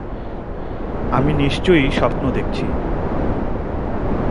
আমি নিশ্চয়ই স্বপ্ন দেখেছি।